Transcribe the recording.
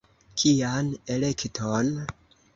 Kian elekton?